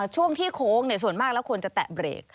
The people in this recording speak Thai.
ช่วงที่โค้งส่วนมากแล้วควรจะแตะเบรก